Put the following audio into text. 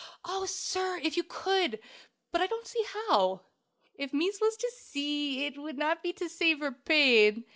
"Oh, sir, if you could! But I don't see how!" "If mees was to see, it would not be to save her pain.